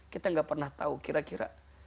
kita gak pernah tahu kira kira